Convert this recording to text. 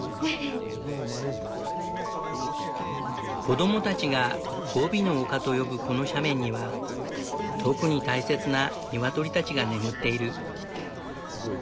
子供たちが「ゴビの丘」と呼ぶこの斜面には特に大切なニワトリたちが眠っている。